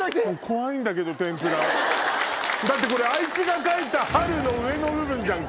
怖いんだけど天ぷらだってあいつが書いた春の上の部分じゃん！